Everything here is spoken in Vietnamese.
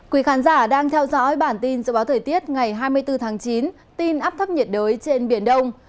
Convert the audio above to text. quý khán giả đang theo dõi bản tin dự báo thời tiết ngày hai mươi bốn tháng chín tin áp thấp nhiệt đới trên biển đông